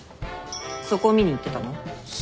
そこ見に行ってたの？さあ。